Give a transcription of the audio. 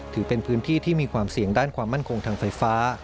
ถือเป็นพื้นที่ที่มีความเสี่ยงด้านความมั่นคงทางไฟฟ้า